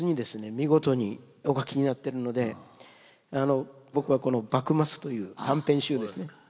見事にお書きになってるので僕はこの「幕末」という短編集ですね。